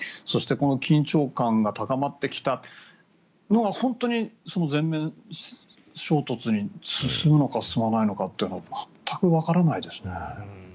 そして、緊張感が高まってきたのは本当に全面衝突に進むのか進まないのかは全くわからないですね。